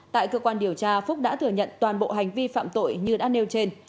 tại cơ quan điều tra phúc đã thừa nhận toàn bộ hành vi phạm tội như đã nêu trên